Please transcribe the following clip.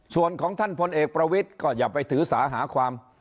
ส่วนของท่านพลเอกประวิทย์ก็อย่าไปถือสาหาความ